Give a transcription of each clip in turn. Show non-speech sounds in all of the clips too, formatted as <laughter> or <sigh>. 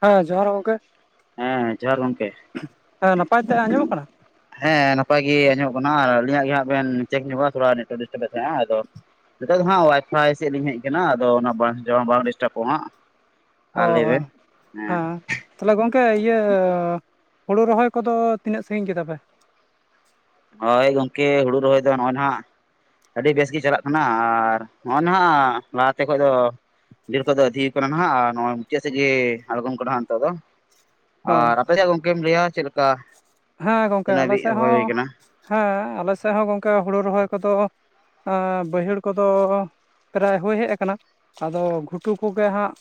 ᱦᱮᱸ, ᱡᱚᱦᱟᱨ ᱜᱚᱝᱠᱮ᱾ ᱦᱮᱸ ᱡᱚᱦᱟᱨ ᱜᱚᱢᱠᱮ ᱦᱮᱸ, ᱱᱟᱯᱟᱭ ᱛᱮ ᱟᱸᱡᱚᱢᱚᱜ ᱠᱟᱱᱟ? ᱦᱮᱸᱻ, ᱱᱟᱯᱟᱭ ᱜᱮ ᱟᱸᱡᱚᱜ ᱠᱟᱱᱟ, ᱟᱨ ᱟᱹᱞᱤᱧᱟᱜ ᱜᱮ ᱦᱟᱸᱜ ᱵᱮᱱ ᱪᱮᱠ ᱧᱚᱜᱟ ᱛᱷᱚᱲᱟ ᱱᱮᱴᱣᱚᱠ ᱰᱤᱥᱴᱟᱵᱮᱜ ᱛᱟᱦᱮᱸᱻ ᱟᱫᱚ ᱱᱤᱛᱚᱜ ᱫᱚ ᱦᱟᱸᱜ ᱚᱣᱟᱭᱯᱷᱟᱭ ᱥᱮᱜ ᱞᱤᱧ ᱦᱮᱡ ᱠᱟᱱᱟ, ᱟᱫᱚ ᱚᱱᱟ ᱵᱟᱸᱥ ᱡᱚᱢ ᱵᱟᱝ ᱰᱤᱥᱴᱟᱯᱚ ᱦᱟᱸᱜ᱾ ᱚ ᱟᱨ ᱞᱟᱹᱭ ᱵᱮᱱ ᱦᱮᱸ᱾ ᱛᱟᱦᱞᱮ ᱜᱚᱝᱠᱮ ᱤᱭᱟᱹ, ᱦᱩᱲᱩ ᱨᱚᱦᱚᱭ ᱠᱚᱫᱚ ᱛᱤᱱᱟᱹᱜ ᱥᱟᱺᱜᱤᱧ ᱜᱮᱛᱟ ᱯᱮ? ᱦᱳᱭ ᱜᱚᱝᱠᱮ, ᱦᱩᱲᱩ ᱨᱚᱦᱚᱭ ᱫᱚ ᱱᱚᱜᱼᱚᱭ ᱱᱟᱦᱟᱜ ᱟᱹᱰᱤ ᱵᱮᱥ ᱜᱮ ᱪᱟᱞᱟᱜ ᱠᱟᱱᱟ ᱟᱨ ᱱᱚᱜᱼᱚᱭ ᱱᱟᱦᱟᱸ ᱞᱟᱦᱟ ᱛᱮ ᱠᱷᱚᱡ ᱫᱚ ᱰᱷᱤᱨ ᱠᱚ ᱫᱚ ᱟᱹᱫᱷᱤ ᱠᱟᱱᱟ ᱱᱟᱦᱟᱸ ᱟ ᱱᱚᱜᱼᱚᱸᱭ ᱢᱩᱪᱟᱹᱜ ᱥᱮᱡ ᱜᱮ ᱟᱲᱜᱚᱢ ᱠᱟᱱᱟ ᱦᱟᱸᱜ ᱱᱤᱛᱚᱜ ᱫᱚ᱾ ᱚ ᱟᱨ ᱟᱯᱮ ᱥᱮᱭᱟᱜ ᱜᱚᱝᱠᱮᱢ ᱞᱟᱹᱭᱟ ᱪᱮᱜ ᱞᱮᱠᱟ? ᱦᱮᱸ ᱜᱚᱝᱠᱮ, ᱛᱤᱱᱟᱹᱜ ᱟᱞᱮ ᱦᱟᱹᱵᱤᱡ ᱥᱮᱜ ᱦᱩᱭ ᱦᱚᱸ, ᱠᱟᱱᱟ ᱦᱮᱸᱻ, ᱟᱞᱮ ᱥᱮᱜ ᱦᱚᱸ ᱜᱚᱝᱠᱮ, ᱦᱩᱲᱩ ᱨᱚᱦᱚᱭ ᱠᱚᱫᱚ ᱟᱸ ᱵᱟᱹᱭᱦᱟᱹᱲ ᱠᱚᱫᱚ ᱯᱨᱟᱭ ᱦᱩᱭ ᱦᱮᱜ ᱟᱠᱟᱱᱟ᱾ ᱟᱫᱚ ᱜᱷᱩᱴᱩ ᱠᱚᱜᱮ ᱦᱟᱸᱜ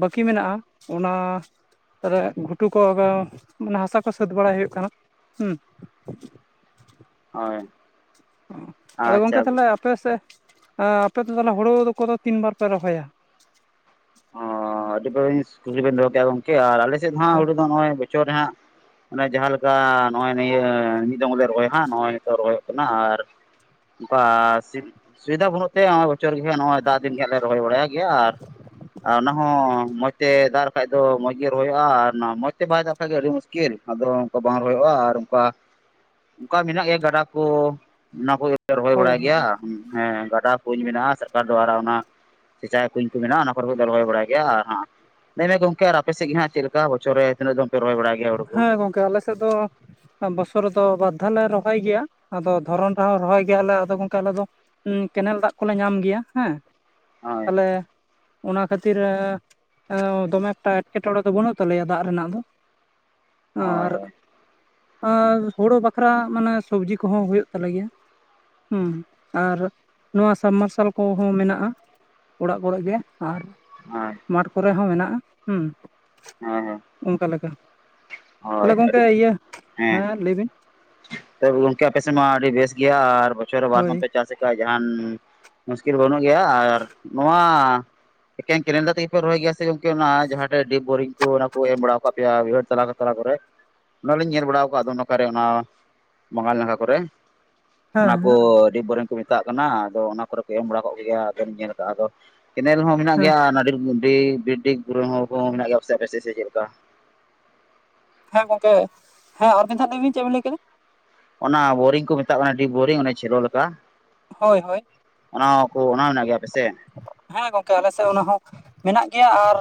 ᱵᱟᱠᱤ ᱢᱮᱱᱟᱜᱼᱟ, ᱚᱱᱟ ᱨᱮᱜ ᱜᱷᱩᱴᱩ ᱠᱚ ᱨᱚ ᱢᱟᱱᱮ ᱦᱟᱥᱟ ᱠᱚ ᱥᱟᱹᱛ ᱵᱟᱲᱟᱭ ᱦᱩᱭᱩᱜ ᱠᱟᱱᱟ᱾ ᱦᱩᱸ᱾ ᱦᱳᱸᱭ᱾ ᱟᱫᱚ ᱜᱚᱝᱠᱮ, ᱛᱟᱞᱮ ᱟᱯᱮ ᱥᱮᱜ, ᱟᱸ ᱟᱯᱮ ᱫᱚ ᱛᱟᱞᱮ ᱦᱩᱲᱩ ᱫᱚ ᱠᱚᱫᱚ ᱛᱤᱱ ᱵᱟᱨ ᱯᱮ ᱨᱚᱦᱚᱭᱟ? ᱚᱸ ᱟᱹᱰᱤ ᱵᱟᱹᱲᱤᱥ ᱠᱩᱠᱞᱤ ᱵᱮᱱ ᱫᱚᱦᱚ ᱠᱮᱫᱟ ᱜᱚᱝᱠᱮ ᱟᱨ ᱟᱞᱮ ᱥᱮᱫ ᱫᱚ ᱦᱟᱸᱜ ᱦᱮᱸ ᱦᱩᱲᱩ ᱫᱚᱸ ᱱᱚᱜᱼᱚᱸᱭ ᱵᱚᱪᱷᱚᱨ ᱨᱮ ᱦᱟᱸᱜ ᱚᱱᱮ ᱡᱟᱸᱦᱟ ᱞᱮᱠᱟ ᱱᱚᱜᱼᱚᱸᱭ ᱱᱤᱭᱟᱹ ᱢᱤᱜ ᱫᱚᱢ ᱞᱮ ᱨᱚᱦᱚᱭᱟ ᱦᱟᱸᱜ ᱱᱚᱜᱼᱚᱭ ᱛᱚᱜ ᱨᱚᱦᱚᱭᱚᱜ ᱠᱟᱱᱟ ᱟᱨ ᱵᱟᱥᱤᱵ ᱥᱩᱭᱤᱫᱟ ᱵᱩᱱᱩᱜ ᱛᱮ ᱶᱚᱜᱼᱚᱭ ᱵᱚᱪᱷᱚᱨ ᱜᱮ ᱦᱟᱸᱜ ᱱᱚᱜᱼᱚᱭ ᱫᱟᱜ ᱫᱤᱱ ᱜᱮ ᱦᱟᱸᱜ ᱞᱮ ᱨᱚᱦᱚᱭ ᱵᱟᱲᱟᱭᱟ ᱜᱮᱭᱟ ᱟᱨ ᱟᱨ ᱚᱱᱟ ᱦᱚᱸ ᱢᱚᱡᱽ ᱛᱮ ᱫᱟᱨ ᱠᱷᱟᱡ ᱫᱚ ᱢᱚᱡ ᱜᱮ ᱨᱚᱦᱚᱭᱚᱜᱼᱟ ᱟᱨ ᱢᱚᱡ ᱛᱮ ᱵᱟᱭ ᱫᱟᱜ ᱠᱷᱟᱡ ᱜᱮ ᱟᱰᱤ ᱢᱩᱥ ᱠᱮᱹᱞ ᱟᱫᱽᱨᱚ ᱚᱝᱠᱟ ᱵᱟᱝ ᱨᱚᱦᱚᱭᱚᱜᱼᱟ ᱟᱨ ᱚᱝᱠᱟ ᱠᱟ ᱢᱮᱱᱟᱜ ᱜᱮᱭᱟ ᱜᱟᱰᱟ ᱠᱚ ᱚᱱᱟ ᱠᱚᱜᱮ ᱮ ᱨᱚᱦᱚᱭ ᱦᱳᱭ ᱵᱟᱲᱟᱭ ᱦᱳᱭ ᱜᱮᱭᱟ ᱦᱮᱸ ᱜᱟᱰᱟ, ᱠᱩᱧ ᱢᱮᱱᱟᱜᱼᱟᱸ᱾ ᱥᱟᱨᱠᱟᱨ ᱫᱚ ᱟᱲᱟ ᱚᱱᱟ ᱥᱮᱪᱟᱭ ᱠᱩᱧ ᱠᱚ ᱢᱮᱱᱟᱜᱼᱟᱸ ᱟᱱᱟ ᱚᱨ ᱦᱚᱭ ᱫᱚ ᱨᱚᱦᱚᱭ ᱵᱟᱲᱟᱭ ᱜᱮᱭᱟ ᱟᱨ ᱦᱟᱸᱜ ᱞᱟᱹᱭᱢᱮ ᱜᱚᱝᱠᱮ ᱟᱲ ᱟᱯᱮ ᱥᱮᱡ ᱜᱮ ᱦᱟᱸᱜ ᱪᱮᱞᱠᱟ ᱵᱚᱪᱷᱚ ᱨᱮ ᱛᱤᱱᱟᱹᱜ ᱫᱚᱢ ᱯᱮ ᱨᱚᱦᱚᱭ ᱵᱟᱲᱟᱭ ᱜᱮᱭᱟ? ᱦᱩᱲᱩ ᱠᱚ ᱦᱮᱸ ᱜᱚᱝᱠᱮ, ᱟᱞᱮ ᱥᱮᱫ ᱫᱚ ᱵᱚᱥᱚᱨ ᱨᱚᱫᱚ ᱵᱟᱫᱫᱷᱟᱱ ᱱᱮ ᱨᱚᱦᱚᱭ ᱜᱮᱭᱟ᱾ ᱟᱫᱚ ᱫᱷᱚᱨᱚᱱ ᱨᱮᱦᱚᱸ ᱨᱚᱦᱚᱭ ᱜᱮᱭᱟ ᱞᱮ ᱟᱫᱚ ᱜᱚᱝᱠᱮ ᱟᱞᱮ ᱫᱚ ᱩᱸ ᱠᱮᱱᱮᱞ ᱫᱟᱜ ᱠᱚᱞᱮ ᱧᱟᱢ ᱜᱮᱭᱟ᱾ ᱦᱮᱸᱻ, ᱦᱳᱭ ᱛᱟᱞᱮ ᱚᱱᱟ ᱠᱷᱟᱹᱛᱤᱨᱮ ᱮᱸ ᱫᱚᱢᱮ ᱮᱠᱴᱟ ᱮᱴᱠᱮᱴᱚᱲᱮ ᱫᱚ ᱵᱩᱱᱩᱜ ᱛᱟᱞᱮᱭᱟ, ᱫᱟᱜ ᱨᱮᱱᱟᱜ ᱫᱚ᱾ ᱦᱳᱭ ᱟᱸᱨ ᱟᱸ ᱦᱳᱲᱳ ᱵᱟᱠᱷᱨᱟ ᱢᱟᱱᱮ ᱥᱚᱵᱽᱡᱤ ᱠᱚᱦᱚᱸ ᱦᱳᱭᱳᱜ ᱛᱟᱞᱮ ᱜᱮᱭᱟ᱾ ᱦᱩᱸ ᱟᱨ ᱱᱚᱣᱟ ᱥᱟᱵᱢᱟᱨᱥᱟᱞ ᱠᱚᱸᱦᱚᱸ ᱢᱮᱱᱟᱜᱼᱟ᱾ ᱚᱲᱟᱜ ᱠᱚᱨᱮᱜ ᱜᱮ ᱟᱨ ᱟᱸᱭ ᱢᱟᱴ ᱠᱚᱨᱮ ᱦᱚᱸ ᱢᱮᱱᱟᱜᱼᱟ ᱦᱩᱸᱻ᱾ ᱦᱟᱺ-ᱦᱟᱺ᱾ ᱚᱝᱠᱟ ᱞᱮᱠᱟ ᱛᱟᱦᱚᱞᱮ ᱦᱳᱭ, ᱜᱚᱝᱠᱮ ᱟᱰᱤ ᱣᱮᱥ ᱤᱭᱟᱹ ᱦᱮᱸ᱾ ᱞᱟᱹᱭ ᱵᱤᱱ ᱛᱚᱵ ᱜᱚᱝᱠᱮ ᱟᱯᱮ ᱥᱮᱱ ᱢᱟ ᱟᱰᱤ ᱵᱮᱥ ᱜᱮᱭᱟ ᱟᱨ ᱵᱚᱪᱷᱚᱨ ᱨᱮ ᱵᱟᱨ ᱦᱳᱭ ᱢᱟᱯᱮ ᱪᱟᱥᱮᱠᱟ ᱡᱟᱦᱟᱱ ᱢᱩᱥᱠᱤᱞ ᱵᱩᱱᱩᱜ ᱜᱮᱭᱟ ᱟᱨ ᱱᱚᱶᱟ ᱮᱠᱮᱝ ᱠᱮᱨᱮᱱ ᱫᱟᱜ ᱛᱮᱜᱮ ᱯᱮ ᱨᱚᱦᱚᱭ ᱜᱮᱭᱟ ᱥᱮ ᱜᱚᱝᱠᱮ ᱚᱱᱟ ᱡᱟᱦᱟᱴᱮᱜ ᱰᱤᱯ ᱵᱳᱨᱤᱝ ᱠᱚ᱾ ᱚᱱᱟ ᱠᱚ ᱮᱢ ᱵᱟᱲᱟᱣ ᱠᱟᱜ ᱯᱮᱭᱟ ᱣᱟᱹᱭᱦᱟᱹᱲ ᱛᱟᱞᱟ ᱠᱟ ᱛᱟᱞᱟ ᱠᱚᱨᱮᱜ ᱚᱱᱟ ᱞᱤᱧ ᱧᱮᱞ ᱵᱟᱲᱟᱣ ᱠᱟᱜ ᱫᱚ, ᱱᱚᱠᱟ ᱨᱮ ᱚᱱᱟ ᱵᱟᱸᱜᱟᱞ ᱱᱟᱠᱷᱟ ᱠᱚᱨᱮ᱾ ᱦᱮᱸ ᱚᱱᱟ ᱠᱚ ᱦᱮᱸ ᱰᱤᱯ ᱵᱳᱨᱮᱱ ᱠᱚ ᱢᱮᱛᱟᱜ ᱠᱟᱱᱟ᱾ ᱟᱫᱚ ᱚᱱᱟ ᱠᱚᱨᱮ ᱠᱮ ᱮᱢ ᱵᱟᱲᱟ ᱠᱚᱜ ᱠᱮᱜᱮᱭᱟ ᱟᱫᱚᱞᱤᱧ ᱧᱮᱞ ᱠᱟᱜᱼᱟ, ᱟᱫᱚ ᱠᱮᱱᱮᱞ ᱦᱚᱸ ᱢᱮᱱᱟᱜ ᱦᱮᱸ ᱜᱮᱭᱟ ᱚᱱᱟᱹ ᱰᱤᱰ ᱰᱤᱰᱤᱵ ᱵᱚᱨᱤᱝ ᱦᱚᱸ ᱠᱚᱦᱚᱸ ᱢᱮᱱᱟᱜ ᱜᱮᱭᱟ ᱯᱟᱥᱮ ᱥᱮ ᱪᱮᱫ ᱞᱮᱠᱟ? ᱦᱮᱸ ᱜᱚᱝᱠᱮ ᱦᱮᱸ, ᱟᱨ ᱢᱤᱜᱫᱷᱟᱣ ᱫᱷᱟᱣ ᱞᱟᱹᱭᱵᱤᱱ ᱪᱮᱫ ᱵᱤᱱ ᱞᱟᱹᱭ ᱠᱮᱫᱟ ᱾ ᱚᱱᱟ ᱵᱳᱨᱤᱝ ᱠᱚ ᱢᱮᱛᱟᱜ ᱠᱟᱱᱟ, ᱰᱤᱯ ᱵᱳᱨᱤᱝ ᱚᱱᱟ ᱪᱷᱮᱞᱳ ᱞᱮᱠᱟ ᱾ ᱦᱳᱭ ᱦᱳᱭ ᱦᱚᱸ ᱢᱮᱱᱟᱜ ᱜᱮᱭᱟ ᱟᱯᱮ ᱥᱮᱫ ᱾ ᱦᱮᱸ ᱜᱚᱝᱠᱮ ᱟᱞᱮ ᱥᱮᱫ ᱚᱱᱟ ᱦᱚᱸ ᱢᱮᱱᱟᱜ ᱜᱮᱭᱟ, ᱟᱨ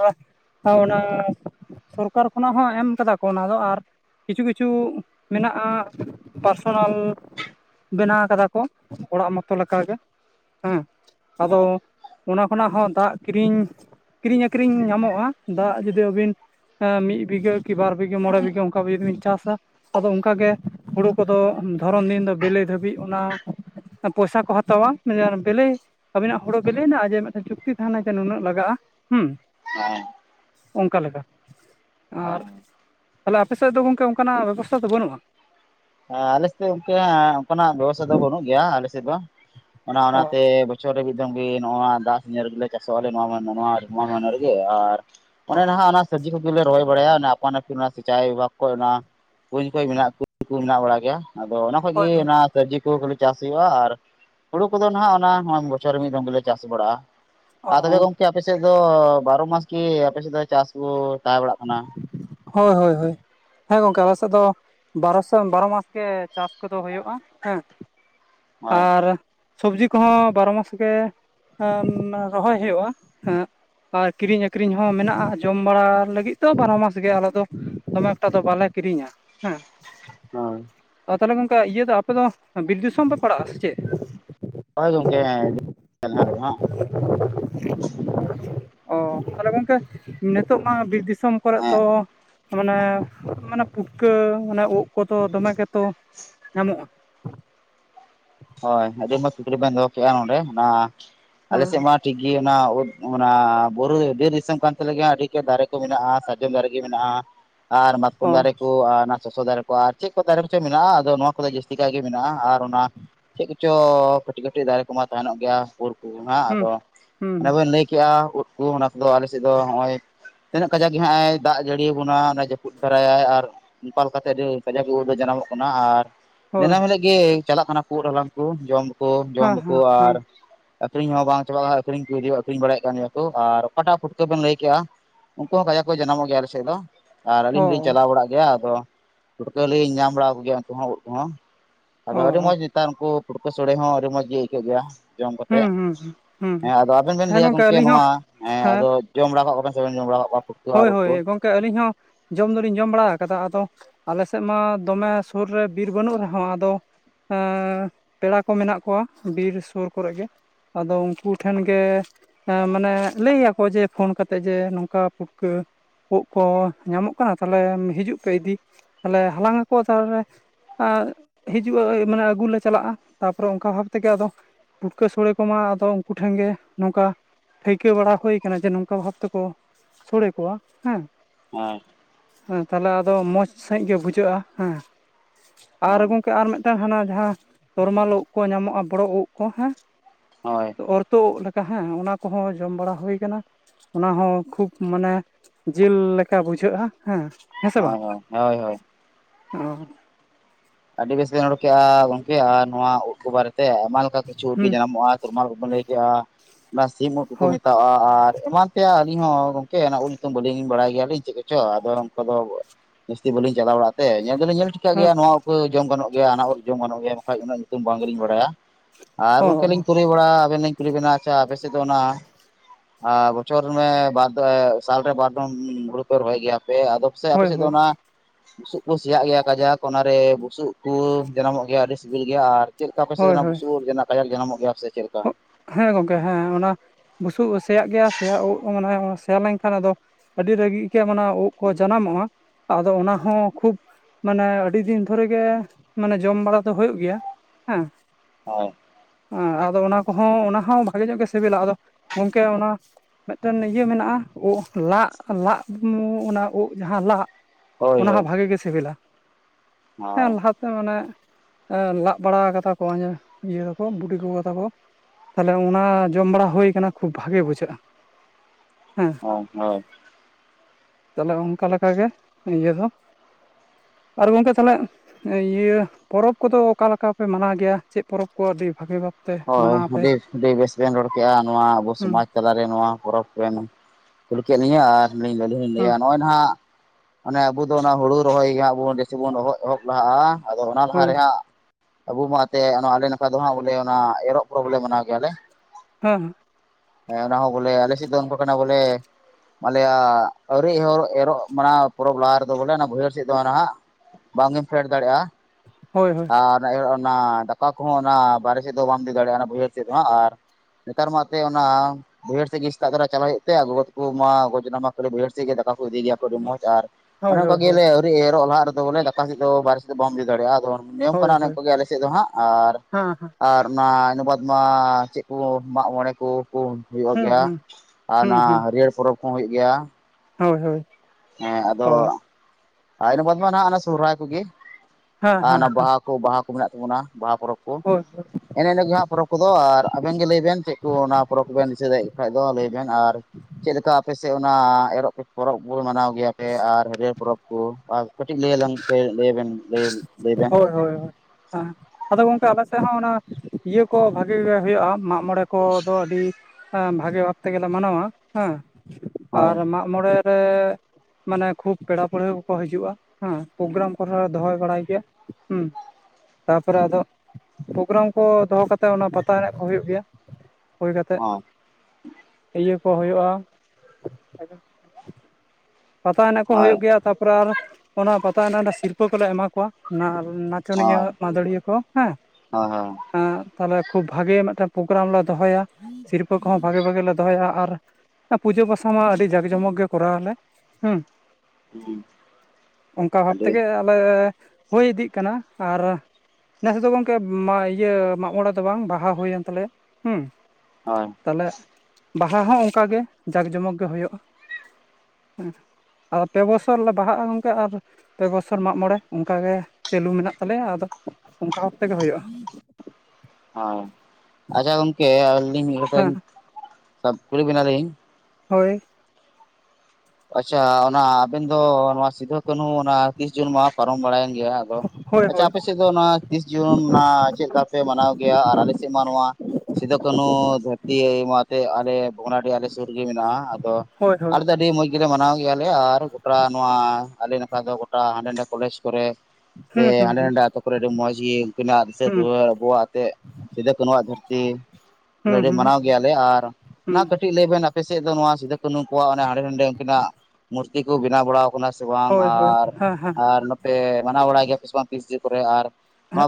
ᱚᱱᱟ ᱥᱚᱨᱠᱟᱨ ᱠᱷᱚᱱᱟᱜ ᱦᱚᱸ ᱮᱢ ᱠᱟᱫᱟ ᱠᱚ ᱚᱱᱟ ᱫᱚ ᱟᱨ ᱠᱤᱪᱷᱩ ᱠᱤᱪᱷᱩ ᱢᱮᱱᱟᱜᱼᱟ ᱯᱟᱨᱥᱳᱱᱟᱞ ᱾ ᱵᱮᱱᱟᱣ ᱠᱟᱫᱟ ᱠᱚ, ᱚᱲᱟᱜ ᱢᱚᱛᱚ ᱞᱮᱠᱟᱜᱮ ᱦᱮᱸ ᱟᱫᱚ, ᱚᱱᱟ ᱠᱷᱚᱱᱟᱜ ᱦᱚᱸ ᱫᱟᱜ ᱠᱤᱨᱤᱧ ᱠᱤᱨᱤᱧ ᱟᱹᱠᱷᱨᱤᱧ ᱧᱟᱢᱚᱜᱼᱟ ᱾ ᱫᱟᱜ ᱡᱩᱫᱤ ᱟᱹᱵᱤᱱ ᱢᱤᱫ ᱵᱤᱜᱷᱟᱹ ᱠᱤ ᱵᱟᱨ ᱵᱤᱜᱦᱟᱹ ᱢᱚᱬᱮ ᱵᱜᱷᱟᱹ ᱚᱱᱠᱟ ᱡᱩᱫᱤ ᱵᱤᱱ ᱪᱟᱥᱟ, ᱟᱫᱚ ᱚᱱᱠᱟᱜᱮ ᱦᱩᱲᱩ ᱠᱚᱫᱚ ᱫᱷᱚᱨᱚᱱ ᱫᱤᱱ ᱫᱚ ᱵᱤᱞᱤ ᱫᱷᱟᱹᱵᱤᱡ ᱚᱱᱟ, ᱯᱚᱭᱥᱟ ᱠᱚ ᱦᱟᱛᱟᱣᱟ ᱢᱟᱱᱮ ᱵᱮᱞᱮ ᱟᱵᱤᱱᱟᱜ ᱦᱳᱲᱳ ᱵᱤᱞᱤᱭᱮᱱᱟ ᱡᱮ ᱢᱤᱫᱴᱮᱱ ᱪᱩᱠᱛᱤ ᱛᱟᱦᱮᱱᱟ ᱡᱮ ᱱᱩᱱᱟᱹᱜ ᱞᱟᱜᱟᱜᱼᱟ ᱦᱩᱸ ᱾ ᱦᱮᱸ, ᱚᱱᱠᱟ ᱞᱮᱠᱟ ᱾ ᱟᱨ ᱦᱮᱸ ᱛᱟᱦᱚᱞᱮ ᱟᱯᱮ ᱥᱮᱫ ᱫᱚ ᱜᱚᱝᱠᱮ ᱚᱱᱠᱟᱱᱟᱜ ᱵᱮᱵᱚᱥᱛᱷᱟ ᱫᱚ ᱵᱟᱹᱱᱩᱜᱼᱟ? ᱟᱞᱮᱥᱮᱫ ᱫᱚ ᱚᱱᱛᱮ ᱦᱟᱸᱜ ᱚᱱᱠᱟᱱᱟᱜ ᱵᱮᱵᱚᱥᱛᱷᱟ ᱫᱚ ᱵᱟᱹᱱᱩᱜ ᱜᱮᱭᱟ ᱟᱞᱮᱥᱮᱫ ᱫᱚ ᱾ ᱚᱱᱟ ᱚ ᱚᱱᱟᱛᱮ ᱵᱚᱪᱷᱚᱨ ᱨᱮ ᱮᱠᱫᱚᱢ ᱜᱮ ᱱᱚᱣᱟ ᱫᱟᱥ ᱧᱮᱞ ᱨᱮᱜᱮᱞᱮ ᱪᱟᱥᱚᱜᱼᱟᱞᱮ ᱱᱚᱣᱟ ᱢᱟᱹᱦᱱᱟᱹ ᱨᱮᱜᱮ ᱟᱨ ᱚ ᱚᱱᱮ ᱱᱟᱦᱟᱜ ᱚᱱᱟ, ᱥᱚᱵᱡᱤ ᱠᱚᱜᱮᱞᱮ ᱨᱚᱦᱚᱭ ᱵᱟᱲᱟᱭᱟ, ᱚᱱᱟ ᱟᱯᱟᱱᱟᱹᱯᱤᱱ ᱚᱱᱟ ᱥᱤᱪᱟᱭ ᱵᱤᱵᱦᱟᱜ ᱠᱷᱚᱡ ᱚᱱᱟ ᱠᱩᱧ ᱠᱷᱚᱡ ᱢᱮᱱᱟᱜ ᱠᱚ, ᱠᱩ ᱢᱮᱱᱟᱜ ᱵᱟᱲᱟ ᱜᱮᱭᱟ ᱟᱫᱚ ᱚᱱᱟ ᱠᱷᱚᱡ ᱦᱳᱭ ᱜᱮ ᱦᱳᱭ ᱚᱱᱟ, ᱥᱚᱵᱽᱡᱤ ᱠᱚᱜᱮ ᱠᱷᱟᱞᱤ ᱪᱟᱥ ᱦᱩᱭᱩᱜᱼᱟ, ᱟᱨ ᱦᱩᱲᱩ ᱠᱚᱫᱚ ᱦᱟᱜ ᱚᱱᱟ ᱵᱚᱪᱷᱚᱨ ᱢᱤᱫ ᱫᱚᱢ ᱜᱮᱞᱮ ᱪᱟᱥ ᱵᱟᱲᱟᱜᱼᱟ ᱾ ᱚ ᱟᱨ ᱛᱚᱵᱮ ᱜᱚᱝᱠᱮ ᱟᱯᱮᱥᱮᱫ ᱫᱚ ᱵᱟᱨᱚ ᱢᱟᱥ ᱠᱤ ᱟᱯᱮᱥᱮᱫ ᱫᱚ ᱪᱟᱥ ᱠᱚ ᱛᱟᱦᱮᱸ ᱵᱟᱲᱟᱜ ᱠᱟᱱᱟ᱾ ᱦᱳᱭ ᱦᱳᱭ ᱦᱳᱭ ᱾ ᱦᱮᱸ ᱜᱚᱝᱠᱮ ᱟᱞᱮᱥᱮᱫ ᱫᱚ ᱵᱟᱨᱚᱥᱚᱝ ᱵᱟᱨᱚ ᱢᱟᱥ ᱜᱮ ᱪᱟᱥ ᱠᱚᱫᱚ ᱦᱩᱭᱩᱜᱼᱟ ᱦᱮᱸ ᱾ ᱦᱳᱭ ᱟᱨ ᱥᱚᱵᱽᱡᱤ ᱠᱚᱦᱚᱸ ᱵᱟᱨᱚ ᱢᱟᱥ ᱜᱮ, ᱨᱚᱦᱚᱭ ᱦᱩᱭᱩᱜᱼᱟ ᱦᱮᱸ ᱾ ᱟᱨ ᱠᱤᱨᱤᱧ ᱟᱹᱠᱷᱨᱤᱧ ᱦᱚᱸ ᱢᱮᱱᱟᱜᱼᱟ ᱡᱚᱢ ᱵᱟᱲᱟ ᱞᱟᱹᱜᱤᱫ ᱛᱚ ᱵᱟᱨᱚ ᱢᱟᱥ, ᱜᱮ ᱟᱞᱮ ᱫᱚ ᱫᱚᱢᱮ ᱮᱠᱴᱟ ᱫᱚ ᱵᱟᱞᱮ ᱠᱤᱨᱤᱧᱟ ᱦᱮᱸ ᱾ ᱦᱳᱭ, ᱛᱟᱦᱚᱞᱮ ᱜᱚᱝᱠᱮ ᱤᱭᱟᱹ ᱫᱚ ᱟᱯᱮ ᱫᱚ ᱵᱤᱨ ᱫᱤᱥᱚᱢ ᱯᱮ ᱯᱟᱲᱟᱜᱼᱟ ᱥᱮ ᱪᱮᱫ? ᱦᱳᱭ ᱜᱚᱢᱠᱮ ᱾ <unintelligible> ᱚ ᱛᱟᱦᱞᱮ ᱜᱚᱝᱠᱮ ᱱᱤᱛᱚᱜ ᱢᱟ ᱵᱤᱨ ᱫᱤᱥᱚᱢ ᱠᱚᱨᱮᱜ ᱦᱮᱸ ᱛᱚ, ᱢᱟᱱᱮ ᱢᱟᱱᱮ ᱯᱩᱴᱠᱟᱹ ᱢᱟᱱᱮ ᱩᱫ ᱠᱚᱫᱚ ᱫᱚᱢᱮ ᱜᱮᱛᱚ ᱧᱟᱢᱚᱜᱼᱟ ᱾ ᱦᱳᱭ ᱟᱹᱰᱤ ᱢᱚᱡᱽ ᱠᱩᱠᱞᱤ ᱵᱮᱱ ᱫᱚᱦᱚ ᱠᱮᱜᱼᱟ ᱱᱚᱰᱮ ᱾ ᱚᱱᱟ ᱟᱞᱮᱥᱮᱫ ᱦᱮᱸ ᱢᱟ, ᱴᱷᱤᱠ ᱜᱮ ᱚᱱᱟ ᱚᱱᱟ ᱵᱩᱨᱩ ᱵᱤᱨ ᱫᱤᱥᱚᱢ ᱠᱟᱱ ᱛᱟᱞᱮ ᱜᱮᱭᱟ ᱟᱹᱰᱤᱜᱮ ᱫᱟᱨᱮ ᱠᱚ ᱢᱮᱱᱟᱜᱼᱟ ᱥᱟᱨᱡᱚᱢ ᱫᱟᱨᱮ ᱜᱮ ᱢᱮᱱᱟᱜᱼᱟ ᱾ ᱟᱨ ᱢᱟᱛᱠᱚᱢ ᱚ ᱫᱟᱨᱮ ᱚᱱᱟ ᱥᱚᱥᱚ ᱫᱟᱨᱮ ᱠᱚ ᱟᱨ ᱪᱮᱫ ᱠᱚ ᱫᱟᱨᱮ ᱠᱚᱪᱚ ᱢᱮᱱᱟᱜᱼᱟ᱾ ᱟᱫᱚ ᱱᱚᱣᱟ ᱠᱚᱫᱚ ᱡᱟᱹᱥᱛᱤ ᱠᱟᱭ ᱜᱮ ᱢᱮᱱᱟᱜᱼᱟ, ᱟᱨ ᱚᱱᱟ ᱪᱮᱫ ᱠᱚᱪᱚ ᱠᱟᱹᱴᱤᱡ ᱠᱟᱹᱴᱤᱡ ᱫᱟᱨᱮ ᱠᱚᱢᱟ ᱛᱟᱦᱮᱱᱚᱜ ᱜᱮᱭᱟ ᱾ ᱢᱮᱱᱟᱜ ᱟ ᱦᱩᱸ ᱟᱫᱚ ᱚᱱᱮ ᱦᱩᱸ ᱵᱤᱱ ᱞᱟᱹᱭ ᱠᱮᱜᱼᱟ ᱩᱫ ᱠᱚ ᱚᱱᱟ ᱠᱚ ᱟᱞᱮᱥᱮᱫ ᱫᱚ ᱦᱚᱜᱼᱚᱭ, ᱛᱤᱱᱟᱹᱜ ᱠᱟᱡᱟᱠ ᱜᱮ ᱦᱟᱸᱜ ᱮ ᱫᱟᱜ ᱡᱟᱹᱲᱤᱭᱟ ᱟᱵᱚᱱᱟ ᱚᱱᱟ ᱡᱟᱹᱯᱩᱫ ᱛᱟᱨᱟᱭᱟᱭ ᱟᱨ ᱚᱱᱠᱟ ᱞᱮᱠᱟᱛᱮ ᱠᱟᱡᱟᱠ ᱜᱮ ᱩᱫ ᱡᱟᱱᱟᱢᱚᱜ ᱠᱟᱱᱟ ᱟᱨ, ᱦᱳᱭ ᱫᱤᱱᱟᱹᱢ ᱦᱤᱞᱳᱜ ᱜᱮ ᱪᱟᱞᱟᱜ ᱠᱟᱱᱟ ᱠᱚ ᱩᱫ ᱦᱟᱞᱟᱝ ᱠᱚ ᱡᱚᱢᱠᱚ ᱦᱮᱸ ᱡᱚᱢᱫᱟᱠᱚ ᱦᱮᱸ ᱟᱨ, ᱦᱮᱸ ᱟᱹᱷᱨᱤᱧ ᱦᱚᱸ ᱵᱟᱝ ᱪᱟᱵᱟᱜᱼᱟ ᱟᱹᱠᱷᱨᱤᱧ ᱠᱚ ᱟᱹᱠᱷᱨᱤᱧ ᱵᱟᱲᱟᱭᱮᱫ ᱠᱟᱱ ᱜᱮᱭᱟ, ᱠᱚ ᱟᱨ ᱚᱠᱟᱴᱟᱜ ᱯᱷᱩᱴᱠᱟᱹ ᱵᱮᱱ ᱞᱟᱹᱭ ᱠᱮᱜ ᱟ ᱠᱮᱜᱼᱟ? ᱩᱱᱠᱩ ᱦᱚᱸ ᱠᱟᱡᱟᱠ ᱠᱚ ᱡᱟᱱᱟᱢᱚᱜ ᱜᱮᱭᱟ ᱟᱞᱮ ᱥᱮᱫ ᱫᱚ ᱾ ᱟᱨ ᱚ ᱟᱹᱞᱤᱧ ᱦᱚᱞᱤᱧ ᱪᱟᱞᱟᱣ ᱵᱟᱲᱟᱜ ᱜᱮᱭᱟ ᱟᱫᱚ, ᱯᱩᱴᱠᱟᱹ ᱞᱤᱧ ᱧᱟᱢ ᱵᱟᱲᱟ ᱠᱚᱜᱮᱭᱟ ᱩᱱᱠᱩ ᱦᱚᱸ ᱩᱫ ᱠᱚᱦᱚᱸ ᱾ ᱟᱫᱚ ᱚ ᱟᱹᱰᱤ ᱢᱚᱸᱡᱽ ᱱᱮᱛᱟᱨ ᱩᱱᱠᱩ ᱯᱩᱴᱠᱟᱹ ᱥᱳᱲᱮ ᱦᱚᱸ ᱟᱹᱰᱤ ᱢᱚᱸᱡᱽ ᱜᱮ ᱟᱹᱭᱠᱟᱹᱜ ᱜᱮᱭᱟ ᱾ ᱡᱚᱢ ᱠᱟᱛᱮ, ᱦᱩᱸ ᱦᱩᱸ ᱦᱩᱸ ᱦᱮᱸ ᱟᱫᱚ ᱟᱵᱮᱱ ᱵᱮᱱ ᱦᱮᱸ ᱞᱟᱹᱭᱟ ᱜᱚᱝᱠᱮ ᱜᱚᱢᱠᱮ ᱟᱹᱞᱤᱧ ᱦᱚᱸ ᱱᱚᱣᱟ ᱦᱮᱸ ᱟᱫᱚᱼᱼ ᱡᱚᱢ ᱵᱟᱲᱟ ᱠᱟᱜ ᱠᱚᱣᱟ ᱥᱮᱵᱮᱱ ᱵᱟᱵᱤᱱ ᱡᱚᱢ ᱵᱟᱲᱟ ᱠᱟᱜ ᱠᱚᱣᱟ ᱯᱩᱴᱼᱼ ᱦᱳᱭ ᱦᱳᱭ, ᱜᱚᱢᱠᱮ ᱟᱹᱞᱤᱧ ᱦᱚᱸ ᱡᱚᱢ ᱫᱚᱞᱤᱧ ᱡᱚᱢ ᱵᱟᱲᱟ ᱟᱠᱟᱫᱟ ᱟᱫᱚᱼᱼ ᱟᱞᱮ ᱥᱮᱫ ᱢᱟ ᱫᱚᱢᱮ ᱥᱩᱨ ᱨᱮ ᱵᱤᱨ ᱵᱟᱹᱱᱩᱜ ᱨᱮᱦᱚᱸ ᱟᱫᱚᱼᱼ ᱮᱻ ᱯᱮᱲᱟ ᱠᱚ ᱢᱮᱱᱟᱜ ᱠᱚᱣᱟ ᱵᱤᱨ ᱥᱩᱨ ᱠᱚᱨᱮ ᱜᱮ ᱾ ᱟᱫᱚ ᱩᱱᱠᱩ ᱴᱷᱮᱱ ᱜᱮ ᱢᱟᱱᱮ ᱞᱟᱹᱭᱟ ᱠᱚ ᱡᱮ ᱯᱷᱳᱱ ᱠᱟᱛᱮᱫ ᱡᱮ ᱱᱚᱝᱠᱟᱼᱼ ᱯᱩᱴᱠᱟᱹ ᱩᱜ ᱠᱚ ᱧᱟᱢᱚᱜ ᱠᱟᱱᱟ ᱛᱟᱦᱚᱞᱮ ᱦᱤᱡᱩᱜ ᱯᱮ ᱤᱫᱤ ᱾ ᱛᱟᱦᱚᱞᱮ ᱦᱟᱞᱟᱝ ᱟᱠᱚ ᱛᱟᱦᱚᱞᱮᱼᱼ ᱦᱤᱡᱩᱜᱼᱟ ᱢᱟᱱᱮ ᱟᱹᱜᱩ ᱞᱮ ᱪᱟᱞᱟᱜᱼᱟ, ᱛᱟᱨᱯᱚᱨᱮ ᱚᱱᱠᱟ ᱵᱷᱟᱵᱽ ᱛᱮᱜᱮ ᱟᱫᱚᱼᱼ ᱯᱩᱴᱠᱟᱹ ᱥᱳᱲᱮ ᱠᱚᱢᱟ ᱟᱫᱚ ᱩᱱᱠᱩ ᱴᱷᱮᱱ ᱜᱮ ᱱᱚᱝᱠᱟᱼᱼ ᱴᱷᱟᱹᱭᱠᱟᱹ ᱵᱟᱲᱟ ᱦᱩᱭ ᱠᱟᱱᱟ ᱡᱮ ᱱᱚᱝᱠᱟ ᱵᱷᱟᱵ ᱛᱮᱠᱚᱼᱼ ᱥᱳᱲᱮ ᱠᱚᱣᱟ ᱦᱮᱸ ᱾ ᱦᱮᱸ ᱾ ᱦᱮᱸ ᱛᱟᱦᱚᱞᱮ ᱟᱫᱚ ᱢᱚᱡᱽ ᱥᱟᱺᱦᱤᱡ ᱜᱮ ᱵᱩᱡᱷᱟᱹᱜᱼᱟ ᱦᱮᱸ ᱾ ᱟᱨ ᱦᱮᱸ ᱜᱚᱢᱠᱮ ᱟᱨ ᱢᱤᱫᱴᱟᱝ ᱦᱟᱱᱟ ᱡᱟᱦᱟᱸ ᱛᱚᱨᱢᱟᱞ ᱩᱫ ᱠᱚ ᱧᱟᱢᱚᱜᱼᱟ ᱵᱚᱲᱚ ᱩᱫ ᱠᱚ ᱦᱮᱸ ᱾ ᱦᱳᱭ ᱚᱨᱛᱚᱜ ᱩᱫ ᱞᱮᱠᱟ ᱦᱮᱸ, ᱚᱱᱟ ᱠᱚᱦᱚᱸ ᱡᱚᱢ ᱵᱟᱲᱟ ᱦᱩᱭ ᱟᱠᱟᱱᱟ ᱚᱱᱟ ᱦᱚᱸᱼᱼ ᱠᱷᱩᱵ ᱢᱟᱱᱮ ᱡᱤᱞ ᱞᱮᱠᱟ ᱵᱩᱡᱷᱟᱹᱜᱼᱟ ᱦᱮᱸ ᱾ ᱦᱚᱭ ᱦᱚᱭ, ᱦᱚᱭ ᱦᱚᱭ ᱾ ᱚᱸ ᱟᱹᱰᱤ ᱵᱮᱥ ᱵᱤᱱ ᱨᱚᱲ ᱠᱮᱜᱼᱟ ᱜᱚᱝᱠᱮ ᱟᱨ ᱱᱚᱣᱟ ᱩᱫ ᱠᱚ ᱵᱟᱨᱮᱛᱮ ᱟᱭᱢᱟ ᱞᱮᱠᱟ ᱠᱤᱪᱷᱩ ᱩᱫ ᱦᱩᱸ ᱜᱮ ᱡᱟᱱᱟᱢᱚᱜᱼᱟ ᱾ ᱛᱚᱨᱢᱟᱞ ᱩᱫ ᱠᱚᱵᱤᱱ ᱞᱟᱹᱭ ᱠᱮᱫᱼᱟ ᱚᱱᱟ ᱥᱤᱢ ᱩᱫ ᱠᱚᱠᱚ ᱦᱳᱭ ᱢᱮᱛᱟᱣᱟᱜᱼᱟ ᱟᱨᱼᱼ ᱮᱢᱟᱱ ᱛᱮᱭᱟᱜ ᱟᱹᱞᱤᱧ ᱦᱚᱸ ᱜᱚᱝᱠᱮ ᱚᱱᱟ ᱩᱫ ᱧᱩᱛᱩᱢ ᱵᱟᱹᱞᱤᱧ ᱵᱟᱲᱟᱭ ᱜᱮᱭᱟᱞᱤᱧ ᱪᱮᱫ ᱠᱚᱪᱚ, ᱟᱫᱚ ᱚᱱᱠᱟ ᱫᱚᱼᱼ ᱡᱟᱹᱥᱛᱤ ᱵᱟᱞᱤᱧ ᱪᱟᱞᱟᱣ ᱵᱟᱲᱟᱜ ᱛᱮ ᱧᱮᱞ ᱫᱚᱞᱤᱧ ᱧᱮᱞ ᱴᱦᱤᱠᱼᱼ ᱴᱷᱤᱠᱟᱹᱜ ᱦᱮᱸ ᱜᱮᱭᱟ ᱱᱚᱣᱟ ᱩᱫ ᱡᱚᱢ ᱜᱟᱱᱚᱜ ᱜᱮᱭᱟ ᱦᱟᱱᱟ ᱩᱫ ᱡᱚᱢ ᱜᱟᱱᱚᱜ ᱜᱮᱭᱟ ᱵᱟᱠᱷᱟᱡ ᱩᱱᱟᱹᱜ ᱧᱩᱛᱩᱢ ᱵᱟᱝ ᱜᱮᱞᱤᱧ ᱵᱟᱲᱟᱭᱟ ᱾ ᱟᱨ ᱚ ᱜᱚᱢᱠᱮ ᱞᱤᱧ ᱠᱩᱞᱤ ᱵᱟᱲᱟ ᱟᱵᱮᱱ ᱞᱤᱧ ᱠᱩᱞᱤ ᱵᱮᱱᱟ ᱟᱪᱪᱷᱟ ᱟᱯᱮ ᱥᱮᱫ ᱫᱚ ᱚᱱᱟᱼᱼ ᱵᱚᱪᱷᱚᱨ ᱨᱮ ᱵᱟᱨ ᱫᱷᱟᱣ ᱥᱟᱞᱨᱮ ᱵᱟᱨᱫᱚᱢ ᱦᱩᱲᱩ ᱯᱮ ᱨᱚᱦᱚᱭ ᱜᱮᱭᱟ ᱯᱮ ᱟᱫᱚ? ᱥᱮ ᱟᱯᱮ ᱦᱳᱭ ᱥᱮᱫ ᱫᱚ ᱦᱳᱭ ᱚᱱᱟ ᱵᱩᱥᱩᱵ ᱠᱚ ᱥᱮᱭᱟᱜ ᱜᱮᱭᱟ ᱠᱟᱡᱟᱠ ᱚᱱᱟᱨᱮᱼᱼ ᱵᱩᱥᱩᱵ ᱩᱫ ᱠᱚ ᱡᱟᱱᱟᱢ ᱢᱚᱜ ᱜᱮᱭᱟ ᱟᱹᱰᱤ ᱥᱤᱵᱤᱞ ᱜᱮᱭᱟ ᱟᱨ ᱪᱮᱫ ᱞᱮᱠᱟ ᱟᱯᱮ ᱥᱮᱫ ᱦᱳᱭ ᱫᱚᱱᱟ ᱦᱳᱭ ᱵᱩᱥᱩᱵ ᱩᱫ ᱡᱟᱱᱟ ᱡᱟᱱᱟᱢᱚᱜ ᱜᱮᱭᱟ ᱥᱮ ᱪᱮᱫ ᱞᱮᱠᱟ? ᱦᱚᱜ ᱦᱮᱸ ᱜᱚᱝᱠᱮ ᱦᱮᱸ, ᱚᱱᱟ ᱵᱩᱥᱩᱵ ᱥᱮᱭᱟᱜ ᱜᱮᱭᱟ ᱥᱮ ᱢᱟᱱᱮ ᱥᱮᱭᱟ ᱞᱮᱱ ᱠᱷᱟᱱ ᱟᱫᱚᱼᱼ ᱟᱹᱰᱤ ᱨᱟᱹᱜᱤ ᱜᱮ ᱚᱱᱟ ᱩᱫ ᱠᱚ ᱡᱟᱱᱟᱢᱚᱜᱼᱟ ᱾ ᱟᱫᱚ ᱚᱱᱟ ᱦᱚᱸ ᱠᱷᱩᱵᱼᱼ ᱢᱟᱱᱮ ᱟᱹᱰᱤ ᱫᱤᱱ ᱫᱷᱚᱨᱮ ᱜᱮ ᱢᱟᱱᱮ ᱡᱚᱢ ᱵᱟᱲᱟ ᱫᱚ ᱦᱩᱭᱩᱜ ᱜᱮᱭᱟ ᱦᱮᱸ ᱾ ᱦᱚᱭ ᱟᱫᱚ ᱚᱱᱟ ᱠᱚᱦᱚᱸ ᱚᱱᱟ ᱦᱚᱸ ᱵᱷᱟᱜᱮ ᱧᱚᱜ ᱜᱮ ᱥᱮᱵᱮᱞᱟ ᱟᱫᱚ ᱜᱚᱢᱠᱮ ᱚᱱᱟᱼᱼ ᱢᱤᱫᱴᱮᱱ ᱤᱭᱟᱹ ᱢᱮᱱᱟᱜᱼᱟ ᱩ ᱞᱟᱜ ᱞᱟᱜ ᱚᱱᱟ ᱩᱫ ᱡᱟᱦᱟᱸ ᱞᱟᱜᱼᱼ ᱦᱳᱭ ᱚᱱᱟ ᱦᱳᱭ ᱦᱚᱸ ᱵᱷᱟᱜᱮ ᱜᱮ ᱥᱤᱵᱤᱞᱟ ᱾ ᱦᱮᱸ ᱞᱟᱦᱟᱼᱼ ᱦᱮᱸ ᱚᱱᱮ ᱞᱟᱫ ᱵᱟᱲᱟ ᱠᱟᱫᱟ ᱠᱚ ᱤᱭᱟᱹ ᱛᱟᱠᱚ ᱵᱩᱰᱤ ᱜᱚᱜᱚ ᱛᱟᱠᱚ ᱾ ᱛᱟᱦᱚᱞᱮ ᱚᱱᱟ ᱡᱚᱢ ᱵᱟᱲᱟ ᱦᱩᱭ ᱠᱟᱱᱟ ᱠᱷᱩᱵ ᱵᱷᱟᱜᱮ ᱵᱩᱡᱷᱟᱹᱜᱼᱟ ᱦᱮᱸ ᱾ ᱩᱸ ᱦᱳᱭ ᱾ ᱛᱟᱦᱚᱞᱮ ᱚᱱᱠᱟ ᱞᱮᱠᱟ ᱜᱮ ᱱᱤᱭᱟᱹ ᱦᱚᱸ ᱾ ᱟᱨ ᱜᱚᱝᱠᱮ ᱛᱟᱦᱚᱞᱮᱼᱼ ᱤᱭᱟᱹ ᱯᱚᱨᱚᱵᱽ ᱠᱚᱫᱚ ᱚᱠᱟ ᱞᱮᱠᱟ ᱯᱮ ᱢᱟᱱᱟᱣ ᱜᱮᱭᱟ, ᱪᱮᱫ ᱯᱚᱨᱚᱵᱽ ᱠᱚ ᱟᱹᱰᱤ ᱵᱷᱟᱹᱜᱮ ᱵᱷᱟᱵ ᱛᱮ ᱦᱳᱭ ᱢᱟᱱᱟᱣ? ᱯᱮ ᱟᱹᱰᱤ, ᱟᱹᱵᱤ ᱵᱮᱥ ᱵᱮᱱ ᱨᱚᱲ ᱠᱮᱫᱼᱟ ᱱᱚᱣᱟ ᱟᱵᱚ ᱦᱩᱸ ᱥᱚᱢᱟᱡᱽ ᱾ ᱛᱟᱞᱟ ᱨᱮ ᱱᱚᱣᱟ ᱯᱚᱨᱚᱵᱽ ᱵᱮᱱ ᱠᱩᱞ ᱠᱮᱫ ᱞᱤᱧᱟ ᱟᱨ ᱞᱤᱧ ᱦᱩᱸ ᱞᱟᱹᱭᱟ ᱱᱚᱜᱼᱚᱭ ᱱᱟᱦᱟᱸᱜ ᱢᱟᱱᱮ ᱟᱵᱚ ᱫᱚ ᱚᱱᱟ ᱦᱩᱲᱩ ᱨᱚᱦᱚᱭ ᱜᱮ ᱦᱟᱸᱜ ᱵᱚᱱ ᱵᱮᱥᱤ ᱵᱚᱱ ᱨᱚᱦᱚ ᱮᱦᱚᱵ ᱞᱟᱦᱟᱜᱼᱟ᱾ ᱟᱫᱚ ᱚᱱᱟ ᱞᱟᱦᱟ ᱦᱳᱭ ᱨᱮ ᱦᱟᱸᱜ ᱟᱵᱚ ᱢᱟ ᱮᱱᱛᱮ ᱱᱚᱣᱟ ᱟᱞᱮ ᱱᱟᱠᱷᱟ ᱫᱚ ᱦᱟᱸᱜ ᱵᱚᱞᱮ ᱚᱱᱟ ᱮᱨᱚᱜ ᱯᱚᱨᱚᱵᱽ ᱞᱮ ᱢᱟᱱᱟᱣ ᱜᱮᱭᱟ ᱞᱮ᱾ ᱦᱮᱸ᱾ ᱦᱮᱸ, ᱚᱱᱟ ᱦᱚᱸ ᱵᱚᱞᱮ ᱟᱞᱮ ᱥᱮᱫ ᱫᱚ ᱚᱱᱠᱟ ᱠᱟᱱᱟ ᱵᱚᱞᱮ ᱟᱞᱮᱭᱟᱜ ᱟᱹᱣᱨᱤ ᱮᱦᱚᱨ ᱮᱨᱚᱜ ᱢᱟᱱᱟᱣ ᱯᱚᱨᱚᱵᱽ ᱞᱟᱦᱟ ᱨᱮᱫᱚ ᱵᱚᱞᱮ ᱚᱱᱟ ᱵᱟᱹᱭᱦᱟᱹᱲ ᱥᱮᱫ ᱫᱚ ᱱᱟᱦᱟᱸᱜ ᱵᱟᱝ ᱜᱮᱢ ᱯᱷᱮᱰ ᱫᱟᱲᱮᱭᱟᱜᱼᱟ᱾ ᱦᱳᱭ ᱦᱳᱭ᱾ ᱟᱨ ᱮᱨᱲ ᱚᱱᱟ ᱫᱟᱠᱟ ᱠᱚᱦᱚᱸ ᱚᱱᱟ ᱵᱟᱨᱮ ᱥᱮᱫ ᱫᱚ ᱵᱟᱢ ᱤᱫᱤ ᱫᱟᱲᱮᱭᱟᱜᱼᱟ, ᱚᱱᱟ ᱵᱟᱹᱭᱦᱟᱹᱲ ᱥᱮᱫ ᱫᱚ ᱦᱟᱸᱜ᱾ ᱟᱨ ᱱᱮᱛᱟᱨ ᱢᱟ ᱛᱮ ᱚᱱᱟ ᱵᱟᱹᱭᱦᱟᱹᱲ ᱥᱮᱫ ᱜᱮ ᱥᱮᱛᱟᱜ ᱫᱷᱟᱨᱟ ᱪᱟᱞᱟᱜ ᱦᱩᱭᱩᱜ ᱛᱮ, ᱟᱜᱩ ᱜᱚᱫ ᱠᱚᱢᱟ ᱜᱚᱜᱚ ᱡᱚᱱᱟ ᱢᱟ ᱵᱟᱹᱭᱦᱟᱹᱲ ᱥᱮᱫ ᱜᱮ ᱫᱟᱠᱟ ᱠᱚ ᱤᱫᱤᱭ ᱜᱮᱭᱟ ᱟᱹᱰᱤ ᱢᱚᱸᱡᱽ᱾ ᱟᱨ ᱦᱳᱭ ᱚᱱᱮ ᱦᱳᱭ ᱚᱱᱠᱟ ᱦᱳᱭ ᱜᱮᱞᱮ ᱟᱹᱣᱨᱤ ᱮᱨᱚᱜ ᱞᱟᱦᱟᱜ ᱨᱮᱫᱚ ᱵᱚᱞᱮ ᱫᱟᱠᱟ ᱥᱮᱫ ᱫᱚ ᱵᱟᱦᱨᱮ ᱥᱮᱫ ᱫᱚ ᱵᱟᱢ ᱤᱫᱤ ᱫᱟᱲᱮᱭᱟᱜᱼᱟ᱾ ᱟᱫᱚ ᱱᱤᱭᱮ ᱱᱚᱝᱠᱟ ᱦᱳᱭ ᱦᱳᱭ ᱱᱟᱜ ᱚᱱᱮ ᱜᱮ ᱟᱞᱮ ᱥᱮᱫ ᱫᱚ ᱦᱟᱸᱜ᱾ ᱟᱨ ᱦᱮᱸ ᱦᱮᱸ᱾ ᱟᱨ ᱚᱱᱟ ᱤᱱᱟ ᱵᱟᱫ ᱢᱟ, ᱪᱮᱫ ᱠᱚ ᱢᱟᱜ ᱢᱚᱬᱮ ᱠᱚ ᱵᱚᱱ ᱦᱩᱭᱩᱜ ᱦᱩᱸ ᱜᱮᱭᱟ᱾ ᱦᱩᱸ ᱟᱨ ᱦᱩᱸ ᱦᱩᱸ ᱱᱚᱣᱟ ᱦᱟᱹᱨᱭᱟᱹᱲ ᱯᱚᱨᱚᱵᱽ ᱠᱚᱦᱚᱸ ᱦᱩᱭᱩᱜ ᱜᱮᱭᱟ᱾ ᱦᱳᱭ ᱦᱳᱭ᱾ ᱦᱮᱸ, ᱚ ᱟᱫᱚ ᱤᱱᱟ ᱵᱟᱫ ᱢᱟ ᱱᱟᱜ ᱥᱚᱨᱦᱟᱭ ᱠᱚᱜᱮ ᱦᱮᱸ ᱟᱨ ᱦᱮᱸ ᱚᱱᱟ ᱦᱮᱸ ᱵᱟᱦᱟ ᱠᱚ ᱵᱟᱦᱟ ᱠᱚ ᱢᱮᱱᱟᱜ ᱛᱟᱵᱚᱱᱟ, ᱵᱟᱦᱟ ᱯᱚᱨᱚᱵᱽ ᱠᱚ᱾ ᱦᱳᱭ ᱦᱳᱭ ᱮᱱᱮ ᱮᱱᱮ ᱜᱮ ᱦᱟᱸᱜ ᱯᱚᱨᱚᱵᱽ ᱠᱚᱫᱚ, ᱟᱨ ᱟᱵᱮᱱ ᱜᱮ ᱞᱟᱹᱭ ᱵᱮᱱ ᱪᱮᱫ ᱠᱚ ᱚᱱᱟ ᱯᱚᱨᱚᱵᱽ ᱵᱮᱱ ᱫᱤᱥᱟ ᱮᱫ ᱠᱷᱟᱡ ᱫᱚ ᱞᱟᱹᱭ ᱵᱮᱱ, ᱟᱨ ᱪᱮᱫ ᱞᱮᱠᱟ ᱟᱯᱮᱥᱮᱫ ᱚᱱᱟ ᱮᱨᱚᱜ ᱯᱚᱨᱚᱵ ᱵᱚᱱ ᱢᱟᱱᱟᱣ ᱜᱮᱭᱟ ᱯᱮ ᱟᱨ ᱦᱟᱹᱨᱭᱟᱹᱲ ᱯᱚᱨᱚᱵᱽ ᱠᱚ, ᱟᱨ ᱠᱟᱹᱴᱤᱡ ᱞᱟᱹᱭᱟ ᱞᱟᱝ ᱯᱮ ᱞᱟᱹᱭ ᱵᱮᱱ ᱞᱟᱹᱭ? ᱞᱟᱹᱭ ᱵᱮᱱ ᱦᱳᱭ ᱦᱳᱭ ᱦᱟᱸ᱾ ᱟᱫᱚ ᱜᱚᱝᱠᱮ ᱟᱞᱮ ᱥᱮᱫ ᱦᱚᱸ ᱚᱱᱟ ᱤᱭᱟᱹ ᱠᱚ ᱵᱷᱟᱜᱮ ᱜᱮ ᱦᱩᱭᱩᱜᱼᱟ, ᱢᱟᱜ ᱢᱚᱬᱮ ᱠᱚ ᱫᱚ ᱟᱹᱰᱤ ᱮᱸ ᱵᱷᱟᱜᱮ ᱵᱷᱟᱵ ᱛᱮ ᱜᱮᱞᱮ ᱢᱟᱱᱟᱣᱟ ᱦᱮᱸ ᱦᱳᱭ ᱟᱨ ᱢᱟᱜ ᱢᱚᱬᱮ ᱨᱮ ᱢᱟᱱᱮ ᱠᱷᱩᱵ ᱯᱮᱲᱟ ᱯᱟᱹᱲᱦᱟᱹ ᱠᱚᱠᱚ ᱦᱤᱡᱩᱜᱼᱟ᱾ ᱦᱮᱸ, ᱯᱨᱚᱜᱽᱨᱟᱢ ᱠᱚᱦᱚ ᱞᱮ ᱫᱚᱦᱚᱭ ᱵᱟᱲᱟᱭ ᱜᱮᱭᱟ᱾ ᱦᱩᱸ᱾ ᱛᱟᱨᱯᱚᱨᱮ ᱟᱫᱚ ᱯᱨᱚᱜᱨᱟᱢ ᱠᱚ ᱫᱚᱦᱚ ᱠᱟᱛᱮᱫ ᱚᱱᱟ ᱯᱟᱛᱟ ᱮᱱᱮᱡ ᱠᱚ ᱦᱩᱭᱩᱜ ᱜᱮᱭᱟ᱾ ᱦᱩᱭ ᱠᱟᱛᱮᱜ, ᱦᱳᱭ ᱤᱭᱟᱹ ᱠᱚ ᱦᱩᱭᱩᱜᱼᱟ᱾ ᱯᱟᱛᱟ ᱮᱱᱮᱡ ᱠᱚ ᱦᱳᱭ ᱦᱩᱭᱩᱜ ᱜᱮᱭᱟ᱾ ᱛᱟᱯᱚᱨᱮ ᱟᱨ ᱚᱱᱟ ᱯᱟᱛᱟ ᱮᱱᱮᱡ ᱨᱮ ᱥᱤᱨᱯᱟᱹ ᱠᱚᱞᱮ ᱮᱢᱟ ᱠᱚᱣᱟ, ᱚᱱᱟ ᱱᱟ ᱱᱟᱪᱚᱱᱤᱭᱟᱹ, ᱦᱳᱭ ᱢᱟᱹᱫᱟᱹᱲᱤᱭᱟᱹ ᱠᱚ ᱦᱮᱸ᱾ ᱦᱳᱭ ᱦᱳᱭ ᱦᱮᱸ, ᱛᱟᱦᱞᱮ ᱠᱷᱩᱵ ᱵᱷᱟᱜᱮ ᱢᱤᱫᱴᱮᱡ ᱯᱨᱚᱜᱨᱟᱢ ᱞᱮ ᱫᱚᱦᱚᱭᱟ ᱥᱤᱨᱯᱟᱹ ᱠᱚᱦᱚᱸ ᱵᱷᱟᱜᱮ ᱵᱷᱟᱜᱮ ᱞᱮ ᱫᱚᱦᱚᱭᱟ᱾ ᱟᱨ ᱟᱨ ᱯᱩᱡᱟᱹ ᱯᱟᱥᱟᱢᱟ ᱟᱹᱰᱤ ᱡᱟᱠ ᱡᱚᱢᱚᱠ ᱜᱮ ᱠᱚᱨᱟᱣ ᱟᱞᱮ᱾ ᱦᱩᱸ, ᱦᱩᱸ ᱚᱱᱠᱟ ᱵᱷᱟᱵ ᱟᱹᱰᱤ ᱛᱮᱜᱮ ᱞᱮ ᱮᱸ, ᱦᱩᱭ ᱤᱫᱤᱜ ᱠᱟᱱᱟ, ᱟᱨ ᱱᱮᱥ ᱫᱚ ᱜᱚᱝᱠᱮ, ᱢᱟ ᱤᱭᱟᱹ ᱢᱟᱜ ᱢᱚᱲᱮ ᱫᱚ ᱵᱟᱝ ᱵᱟᱦᱟ ᱦᱩᱭᱮᱱ ᱛᱟᱞᱮᱭᱟ ᱦᱮᱸ᱾ ᱦᱳᱭ᱾ ᱛᱟᱦᱞᱮ ᱵᱟᱦᱟ ᱦᱚᱸ ᱚᱱᱠᱟ ᱜᱮ ᱡᱟᱠ-ᱡᱚᱢᱚᱠ ᱜᱮ ᱦᱩᱭᱩᱜᱼᱟ᱾ ᱦᱮᱸ, ᱟᱫᱚ ᱯᱮ ᱵᱚᱦᱥᱚᱨ ᱞᱮ ᱵᱟᱦᱟᱜᱼᱟ ᱜᱚᱢᱠᱮ ᱟᱨ ᱯᱮ ᱵᱚᱪᱷᱚᱨ ᱢᱟᱜ ᱢᱚᱬᱮ ᱚᱱᱠᱟᱜᱮ ᱪᱟᱹᱞᱩ ᱢᱮᱱᱟᱜ ᱛᱟᱞᱮᱭᱟ ᱟᱫᱚ ᱚᱱᱠᱟ ᱵᱟᱵᱷ ᱛᱮᱜᱮ ᱦᱩᱭᱩᱜᱼᱟ᱾ ᱦᱳᱭ, ᱟᱪᱪᱷᱟ ᱜᱚᱢᱠᱮ ᱟᱹᱞᱤᱧ ᱢᱤᱫ ᱦᱮᱸ ᱴᱟᱝ ᱠᱩᱞᱤ ᱵᱮᱱᱟᱹ ᱞᱤᱧ᱾ ᱦᱳᱭ᱾ ᱟᱪᱪᱷᱟ ᱚᱱᱟ ᱟᱵᱮᱱ ᱫᱚ ᱱᱚᱣᱟ ᱥᱤᱫᱩ ᱠᱟᱹᱱᱦᱩ ᱚᱱᱟ ᱛᱨᱤᱥ ᱡᱩᱱ ᱢᱟ ᱯᱟᱨᱚᱢ ᱵᱟᱲᱟᱭᱮᱱ ᱜᱮᱭᱟ᱾ ᱦᱳᱭ ᱟᱪᱪᱷᱟ ᱦᱳᱭ ᱟᱯᱮ ᱥᱮᱫ ᱫᱚ ᱱᱚᱣᱟ ᱛᱤᱥ ᱡᱩᱱ ᱚᱱᱟ, ᱪᱮᱫ ᱞᱮᱠᱟ ᱯᱮ ᱢᱟᱱᱟᱣ ᱜᱮᱭᱟ? ᱟᱨ, ᱟᱞᱮ ᱥᱮᱫ ᱢᱟ ᱱᱚᱣᱟ ᱥᱤᱫᱩ ᱠᱟᱹᱱᱦᱩ ᱫᱷᱟᱹᱨᱛᱤ ᱮᱢᱟᱛᱮ ᱟᱞᱮ ᱵᱚᱜᱱᱟᱰᱤ ᱟᱞᱮ ᱥᱩᱨ ᱜᱮ ᱢᱮᱱᱟᱜᱼᱟ, ᱟᱫᱚ ᱦᱳᱭ ᱦᱳᱭ ᱟᱞᱮ ᱫᱚ ᱟᱹᱰᱤ ᱢᱚᱡᱽ ᱜᱮᱞᱮ ᱢᱟᱱᱟᱣ ᱜᱮᱭᱟᱞᱮ, ᱟᱨ ᱜᱚᱴᱟ ᱱᱚᱣᱟ ᱟᱞᱮ ᱱᱟᱠᱷᱟ ᱫᱚ ᱜᱚᱴᱟ ᱦᱟᱸᱰᱮ ᱱᱟᱰᱮ ᱠᱚᱞᱮᱡᱽ ᱠᱚᱨᱮ ᱾ ᱥᱮ ᱦᱩᱸ ᱦᱩᱸ ᱦᱟᱸᱰᱮ ᱦᱩᱸ ᱱᱟᱰᱮ ᱟᱛᱳ ᱠᱚᱨᱮ ᱟᱹᱰᱤ ᱢᱚᱸᱡᱽ ᱜᱮ ᱩᱱᱠᱤᱱᱟᱜ ᱫᱤᱥ ᱦᱩᱸ ᱫᱩᱣᱟᱹᱨ ᱟᱵᱚᱣᱟᱜ ᱛᱮ, ᱥᱤᱫᱩ ᱠᱟᱹᱱᱦᱩ ᱣᱟᱜ ᱫᱷᱟᱹᱨᱛᱤ ᱦᱩᱸ ᱦᱩᱸ ᱢᱟᱱᱟᱣ ᱜᱮᱭᱟᱞᱮ ᱟᱨ ᱦᱩᱸ ᱚᱱᱟ ᱠᱟᱹᱴᱤᱡ ᱞᱟᱹᱭ ᱵᱮᱱ ᱟᱯᱮᱥᱮᱫ ᱫᱚ ᱱᱚᱣᱟ ᱥᱤᱫᱩᱼᱠᱟᱱᱩ ᱠᱚᱣᱟᱜ ᱦᱟᱸᱰᱮ ᱱᱟᱰᱮ ᱩᱱᱠᱤᱱᱟᱜ ᱢᱩᱨᱛᱤ ᱠᱚ ᱵᱮᱱᱟᱣ ᱵᱟᱲᱟᱣ ᱠᱟᱫᱟ ᱾ ᱚᱱᱟ ᱥᱮ ᱵᱟᱝ? ᱦᱳᱭ ᱦᱳᱭ ᱟᱨ ᱦᱮᱸ ᱦᱮᱸ ᱟᱨ ᱯᱮ ᱢᱟᱱᱟᱣ ᱵᱟᱲᱟᱭ ᱜᱮᱭᱟ ᱯᱮ ᱥᱮ ᱵᱟᱝ ᱛᱤᱥ ᱡᱩᱱ ᱠᱚᱨᱮ, ᱟᱨ ᱦᱮᱸ ᱱᱚᱣᱟ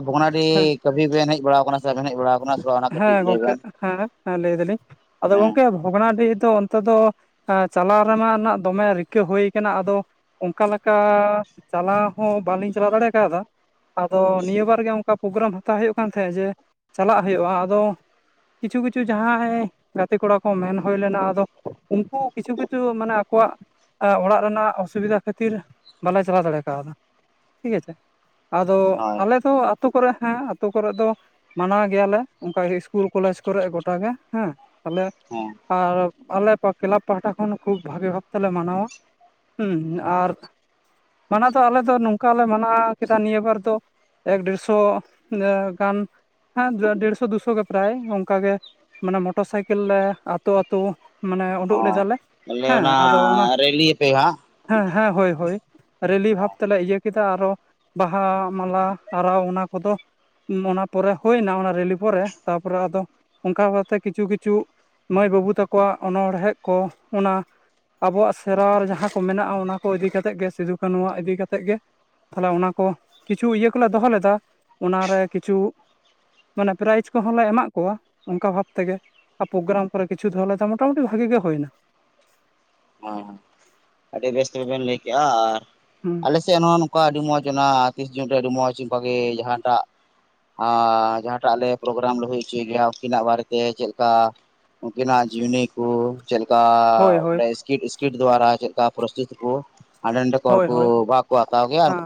ᱦᱮᱸ ᱵᱷᱚᱜᱽᱱᱟᱰᱤ ᱠᱟᱹᱵᱷᱤ ᱵᱮᱱ ᱦᱮᱡ ᱵᱟᱲᱟ ᱟᱠᱟᱱᱟ ᱥᱮ? ᱵᱟᱵᱮᱱ ᱦᱮᱡ ᱵᱟᱲᱟᱣ ᱟᱠᱟᱱᱟ? ᱥᱮ ᱵᱟᱝ ᱚᱱᱟ ᱦᱮᱸ ᱠᱟᱹᱴᱤᱡ ᱞᱟᱹᱭ ᱜᱚᱝᱠᱮ ᱵᱮᱱ ᱦᱮᱸ ᱦᱮᱸ ᱞᱟᱹᱭ ᱫᱟᱞᱤᱧ ᱟᱫᱚ ᱦᱮᱸ ᱜᱚᱝᱠᱮ. ᱵᱷᱚᱜᱽᱱᱟᱰᱤᱦᱤ ᱫᱚ ᱚᱱᱛᱮ ᱫᱚ ᱪᱟᱞᱟᱣ ᱨᱮᱱᱟᱜ ᱫᱚᱢᱮ ᱨᱤᱠᱟᱹ ᱦᱩᱭ ᱠᱟᱱᱟ ᱟᱫᱚ ᱚᱱᱠᱟ ᱞᱮᱠᱟ ᱪᱟᱞᱟᱣ ᱦᱚᱸ ᱵᱟᱹᱞᱤᱧ ᱪᱟᱞᱟᱣ ᱫᱟᱲᱮ ᱠᱟᱣᱫᱟ ᱾ ᱟᱫᱚ ᱱᱤᱭᱟᱹ ᱵᱟᱨ ᱜᱮ ᱚᱱᱠᱟ ᱯᱨᱳᱜᱨᱟᱢ ᱦᱟᱛᱟᱣ ᱦᱩᱭᱩᱜ ᱠᱟᱱ ᱛᱟᱦᱮᱸᱫ ᱡᱮ ᱪᱟᱞᱟᱜ ᱦᱩᱭᱩᱜᱼᱟ᱾ ᱟᱫᱚ ᱠᱤᱪᱷᱩ ᱠᱤᱪᱷᱩ ᱡᱟᱦᱟᱸᱭ ᱜᱟᱛᱮ ᱠᱚᱲᱟ ᱠᱚ ᱢᱮᱱ ᱦᱩᱭ ᱞᱮᱱᱟ, ᱟᱫᱚ ᱩᱱᱠᱩ ᱠᱤᱪᱷᱩ ᱠᱤᱪᱷᱩ ᱢᱟᱱᱮ ᱟᱠᱚᱣᱟᱜ ᱚᱲᱟᱜ ᱨᱮᱱᱟᱜ ᱚᱥᱩᱵᱤᱫᱷᱟ ᱠᱷᱟᱹᱛᱤᱨ ᱵᱟᱞᱮ ᱪᱟᱞᱟᱣ ᱫᱟᱲᱮ ᱠᱟᱣᱫᱟ ᱴᱷᱤᱠ ᱟᱪᱷᱮ ᱾ ᱟᱫᱚ ᱦᱳᱭ ᱟᱞᱮ ᱫᱚ ᱟᱹᱛᱩ ᱠᱚᱨᱮ ᱦᱮᱸ ᱟᱹᱛᱩ ᱠᱚᱨᱮ ᱫᱚ ᱢᱟᱱᱟᱣ ᱜᱮᱭᱟᱞᱮ ᱚᱱᱠᱟ ᱤᱥᱠᱩᱞ ᱠᱚᱞᱮᱡᱽ ᱠᱚᱨᱮ ᱜᱚᱴᱟ ᱜᱮ ᱦᱮᱸ ᱟᱞᱮ ᱦᱚᱸ, ᱟᱨ ᱟᱞᱮ ᱠᱮᱞᱟᱵᱽ ᱯᱟᱦᱟᱴᱟ ᱠᱷᱚᱱ ᱠᱷᱩᱵ ᱵᱷᱟᱹᱜᱮ ᱵᱷᱟᱵ ᱛᱮᱞᱮ ᱢᱟᱱᱟᱣᱟ ᱾ ᱦᱮᱸ ᱟᱨ ᱢᱟᱱᱟ ᱫᱚ ᱟᱞᱮ ᱫᱚ ᱱᱚᱝᱠᱟ ᱞᱮ ᱢᱟᱱᱟᱣ ᱠᱮᱫᱟ ᱱᱤᱭᱟᱹ ᱵᱟᱨ ᱫᱚ ᱮᱠ ᱰᱮᱲᱥᱚ ᱤᱱᱟᱹ ᱜᱟᱱ ᱦᱮᱸ ᱫᱮᱲᱥᱚ ᱫᱩᱥᱚ ᱜᱮ ᱯᱨᱟᱭ ᱚᱱᱠᱟ ᱜᱮ ᱢᱟᱱᱮ ᱢᱚᱴᱚᱨ ᱥᱟᱭᱠᱮᱞ ᱜᱮ ᱟᱹᱛᱳ ᱟᱹᱛᱳ ᱢᱟᱱᱮ ᱩᱰᱩᱠ ᱚ ᱞᱮᱫᱟᱞᱮ, ᱵᱚᱞᱮ ᱦᱮᱸ ᱚᱱᱟ ᱟᱫᱚ ᱚᱱᱟ ᱨᱮᱞᱤᱭᱟᱯᱮ ᱦᱟᱸᱜ ᱦᱮᱸ ᱦᱮᱸ ᱦᱳᱭ ᱦᱳᱭ ᱾ ᱨᱮᱞᱤ ᱵᱷᱟᱵ ᱛᱮᱞᱮ ᱤᱭᱟᱹ ᱠᱮᱫᱟ ᱟᱨᱚ ᱵᱟᱦᱟ ᱢᱟᱞᱟ ᱟᱨᱟᱣ ᱚᱱᱟ ᱠᱚᱫᱚ ᱚᱱᱟ ᱯᱚᱨᱮ ᱦᱩᱭᱱᱟ ᱚᱱᱟ ᱨᱤᱞᱤ ᱯᱚᱨᱮ ᱛᱟᱨᱯᱚᱨᱮ ᱟᱫᱚ ᱚᱱᱠᱟ ᱠᱟᱛᱮ ᱠᱤᱪᱷᱩ ᱠᱤᱪᱷᱩ ᱢᱟᱹᱭ ᱵᱟᱹᱵᱩ ᱛᱟᱠᱚᱣᱟᱜ ᱚᱱᱚᱲᱦᱮᱸ ᱠᱚ ᱚᱱᱟ ᱟᱵᱚᱣᱟᱜ ᱥᱮᱨᱣᱟ ᱡᱟᱦᱟᱸ ᱠᱚ ᱢᱮᱱᱟᱜᱼᱟ᱾ ᱚᱱᱟ ᱠᱚ ᱤᱫᱤ ᱠᱟᱛᱮᱫ ᱜᱮ ᱥᱤᱫᱩ ᱩᱱᱩᱣᱟᱜ ᱤᱫᱤ ᱠᱟᱛᱮᱜ ᱜᱮ ᱛᱟᱦᱚᱞᱮ ᱚᱱᱟ ᱠᱚ ᱠᱤᱪᱷᱩ ᱤᱭᱟᱹ ᱠᱚᱞᱮ ᱫᱚᱦᱚ ᱞᱮᱫᱟ᱾ ᱚᱱᱟᱨᱮ ᱠᱤᱪᱷᱩ ᱢᱟᱱᱮ ᱯᱨᱟᱭᱤᱡᱽ ᱠᱚᱦᱚᱸ ᱞᱮ ᱮᱢᱟᱜ ᱠᱚᱣᱟ ᱚᱱᱠᱟ ᱵᱷᱟᱵᱽ ᱛᱮᱜᱮ ᱾ ᱟᱨ ᱯᱨᱳᱜᱨᱟᱢ ᱠᱚ ᱠᱤᱪᱷᱩ ᱫᱚᱦᱚ ᱞᱮᱫᱟ ᱢᱚᱴᱟ ᱢᱩᱴᱤ ᱵᱷᱟᱹᱜᱤ ᱜᱮ ᱦᱩᱭᱱᱟ ᱾ ᱦᱚᱸᱦᱚᱸ ᱾ ᱟᱹᱰᱤ ᱵᱮᱥ ᱛᱮ ᱵᱮᱱ ᱞᱟᱹᱭ ᱠᱮᱜᱼᱟ ᱾ ᱟᱨ ᱦᱚᱸ ᱾ ᱟᱞᱮᱥᱮᱫ ᱦᱚᱸ ᱱᱚᱝᱠᱟ ᱟᱹᱰᱤ ᱢᱚᱸᱡᱽ ᱚᱱᱟ ᱛᱤᱥ ᱡᱩᱱ ᱨᱮ ᱟᱹᱰᱤ ᱢᱚᱸᱡᱽ ᱚᱱᱠᱟᱜᱮ ᱡᱟᱦᱟᱸ ᱴᱟᱜ ᱟᱨ ᱡᱟᱦᱟᱸᱴᱟᱜ ᱟᱞᱮ ᱯᱨᱳᱜᱨᱟᱢ ᱞᱮ ᱦᱩᱭ ᱦᱚᱪᱚᱭ ᱜᱮᱭᱟ, ᱩᱱᱠᱤᱱᱟᱜ ᱵᱟᱨᱮᱛᱮ ᱪᱮᱫ ᱞᱮᱠᱟ ᱩᱱᱠᱤᱱᱟᱜ ᱡᱤᱣᱱᱤ ᱠᱚ ᱪᱮᱫ ᱞᱮᱠᱟ ᱦᱳᱭ ᱦᱳᱭ ᱥᱠᱤᱰ ᱥᱠᱤᱰ ᱫᱣᱟᱨᱟ ᱪᱮᱫᱠᱟ ᱯᱚᱨᱤᱥᱛᱷᱤᱛ ᱠᱚ ᱦᱟᱸᱰᱮ ᱱᱟᱰᱮ ᱦᱳᱭ ᱠᱚ ᱦᱳᱭ ᱜᱮᱭᱟ ᱠᱚ ᱦᱟᱛᱟᱣ ᱜᱮᱭᱟ ᱠᱚ ᱾ ᱦᱮᱸ